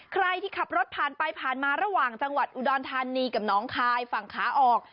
ใครที่ขับรถผ่านไปผ่านมาระหว่างจังหวัดอุดรธานีกับน้องคายฝั่งขาออก